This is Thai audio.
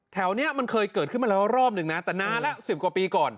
แถวนี้มันเคยเกิดขึ้นมาแล้วรอบหนึ่งนะแต่นานแล้ว๑๐กว่าปีก่อน